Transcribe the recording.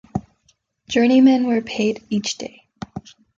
Journeymen were paid each day.